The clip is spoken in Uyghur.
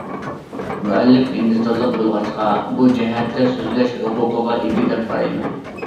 مۇئەللىپ ھىندىستانلىق بولغاچقا، بۇ جەھەتتە سۆزلەش ھوقۇقىغا ئىگە دەپ قارايمەن.